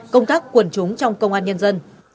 công tác quần chúng trong công an nhân dân